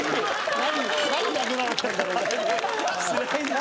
何？